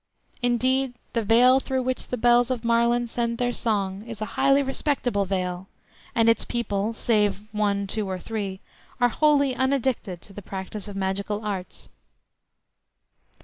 Indeed, the vale through which the bells of Marlen send their song is a highly respectable vale, and its people (save one, two, or three) are wholly unaddicted to the practice of magical arts.